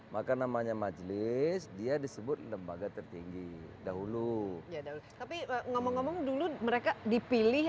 maka namanya majelis dia disebut lembaga tertinggi dahulu tapi ngomong ngomong dulu mereka dipilih